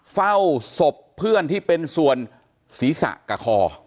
เฝ้าศพเพื่อนที่เป็นส่วนศีรษะกับคอ